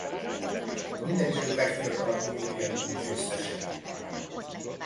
Minden idők legfiatalabb European Tour győztese.